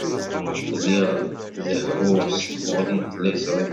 Lliɣ dehhuɣ s tmuɣli n tliẓri.